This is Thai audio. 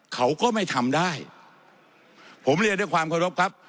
เขาก็ไม่ทำได้ผมเรียนด้วยความเคารพครับ